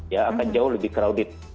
ya akan jauh lebih crowded